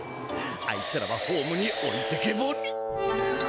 あいつらはホームにおいてけぼり。